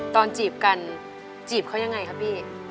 ตอนจีบกันจีบเขาอย่างไรครับพี่